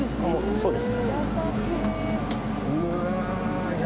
そうです。